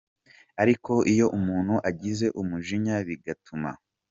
Ariko iyo umuntu agize umujinya bigatuma.